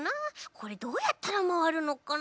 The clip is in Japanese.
これどうやったらまわるのかな？